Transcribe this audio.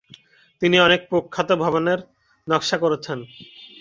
তিনি অনেক প্রখ্যাত ভবনের নকশা করেছেন।